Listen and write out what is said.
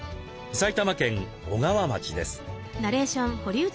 埼玉県小川町です。